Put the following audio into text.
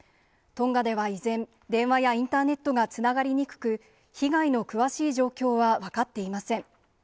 トンガでは依然、電話やインターネットがつながりにくく、被害の詳しい状況は分かっていません。